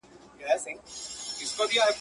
دا ئې اختر د چا کره ولاړ سو.